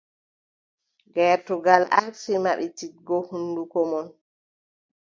Gertogal aarti maɓɓititgo hunnduko mun.